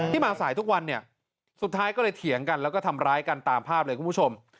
มาสายทุกวันเนี่ยสุดท้ายก็เลยเถียงกันแล้วก็ทำร้ายกันตามภาพเลยคุณผู้ชม